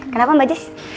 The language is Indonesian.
kenapa mbak jess